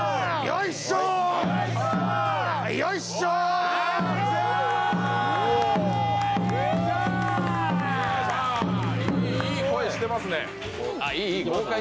いい声してますね。